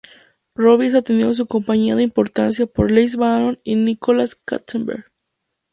Robbie es atendido en su compañía de importación por Lance Bannon y Nicholas Katzenberg.